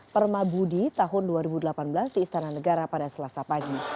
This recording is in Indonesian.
permabudi tahun dua ribu delapan belas di istana negara pada selasa pagi